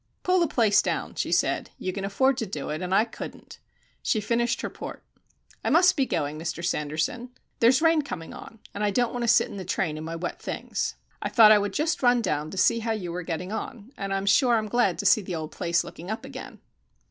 "Pull the place down," she said. "You can afford to do it, and I couldn't." She finished her port. "I must be going, Mr Sanderson. There's rain coming on, and I don't want to sit in the train in my wet things. I thought I would just run down to see how you were getting on, and I'm sure I'm glad to see the old place looking up again."